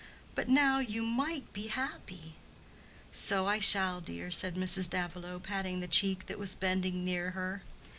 But now you might be happy." "So I shall, dear," said Mrs. Davilow, patting the cheek that was bending near her.